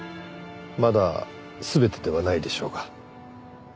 まだ全てではないでしょうが。